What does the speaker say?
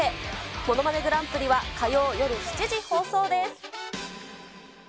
ものまねグランプリは、火曜夜７時放送です。